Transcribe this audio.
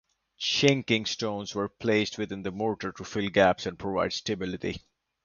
"Chinking" stones were placed within the mortar to fill gaps and provide stability.